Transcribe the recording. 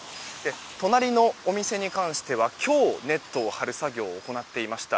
隣のお店に関しては今日、ネットを張る作業を行っていました。